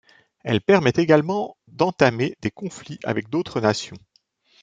Elle permet également d’entamer des conflits avec d’autres nations.